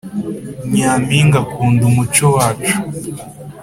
nyampinga akunda umuco wacu